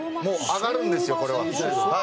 上がるんですよ、これは。